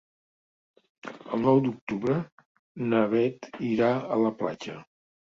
El nou d'octubre na Bet irà a la platja.